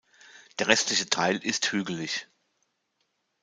Der restliche Teil ist hügelig.